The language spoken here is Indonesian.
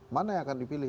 mana yang akan dipilih